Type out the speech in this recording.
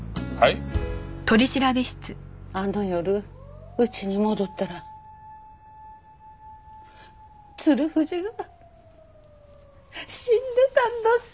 あの夜うちに戻ったら鶴藤が死んでたんどす。